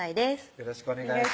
よろしくお願いします